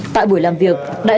tại buổi làm việc đại diện lãnh đạo